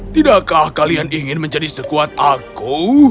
tidakkah kalian ingin menjadi sekuat aku